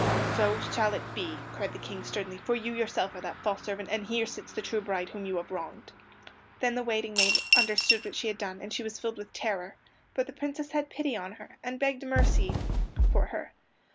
"So shall it be," cried the King sternly, "for you yourself are that false servant, and here sits the true bride whom you have wronged." Then the waiting maid understood what she had done, and she was filled with terror. But the Princess had pity on her, and begged for mercy for her.